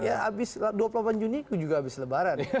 ya abis dua puluh delapan juni itu juga habis lebaran